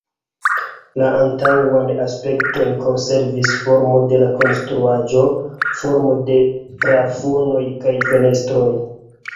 La antaŭan aspekton konservis formo de la konstruaĵo, formo de plafonoj kaj fenestroj.